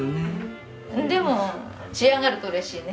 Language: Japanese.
でも仕上がると嬉しいね。